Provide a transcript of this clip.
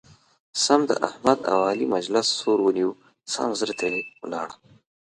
سم د احمد او علي مجلس سور ونیو سم زه ترې ولاړم.